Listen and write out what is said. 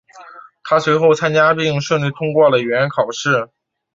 他随后参加并顺利通过了语言考试。